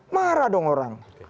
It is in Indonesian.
marah dong orang